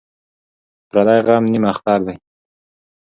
ـ پردى غم نيم اختر دى.